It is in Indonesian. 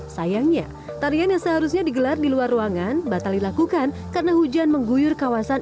sayangnya tarian seharusnya digelar diluar ruangan batal dilakukan karena hujan mengguyur kawasan